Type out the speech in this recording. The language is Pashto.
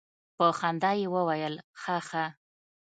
په خندا يې وويل خه خه.